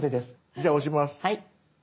じゃあ押します。